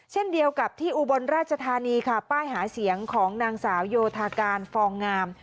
เช่นเดียวกับที่อุบลราชธานีค่ะป้ายหาเสียงของนางสาวโยธาการฟองงาม